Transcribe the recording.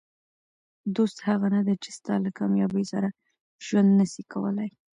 دوست هغه نه دئ، چي ستا له کامیابۍ سره ژوند نسي کولای.